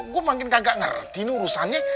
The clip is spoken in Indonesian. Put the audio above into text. gue makin kagak ngerti ini urusannya